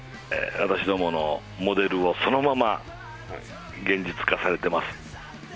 私どものモデルをそのまま現実化されてます。